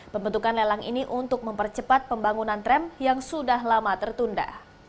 pembentukan lelang ini untuk mempercepat pembangunan tram yang sudah lama tertunda